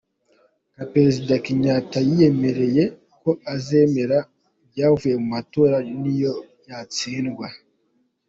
Nka Perezida Kenyatta yiyemereye ko azemera ibyavuye mu matora niyo yatsindwa.